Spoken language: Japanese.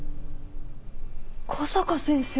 小坂先生